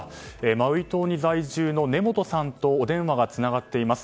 マウイ島に在住の根本さんとお電話がつながっています。